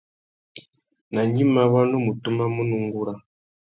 Nà gnïmá, wa nu mù tumamú nà ungura.